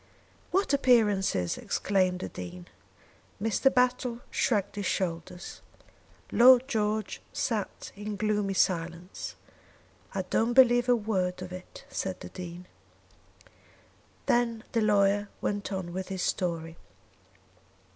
"What appearances!" exclaimed the Dean. Mr. Battle shrugged his shoulders. Lord George sat in gloomy silence. "I don't believe a word of it," said the Dean. Then the lawyer went on with his story.